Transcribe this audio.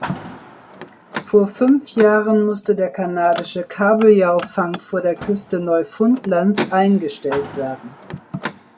Vor fünf Jahren musste der kanadische Kabeljaufang vor der Küste Neufundlands eingestellt werden.